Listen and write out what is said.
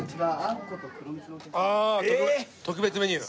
特別メニュー。